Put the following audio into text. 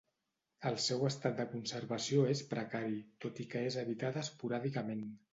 El seu estat de conservació és precari, tot i que és habitada esporàdicament.